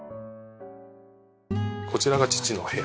こちらが父の部屋。